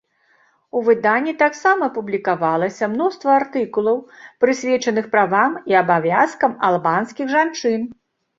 У выданні таксама публікавалася мноства артыкулаў, прысвечаных правам і абавязкам албанскіх жанчын.